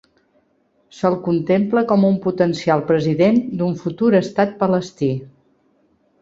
Se'l contempla com un potencial president d'un futur estat palestí.